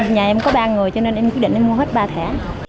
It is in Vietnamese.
nhà em có ba người cho nên em quyết định em mua hết ba thẻ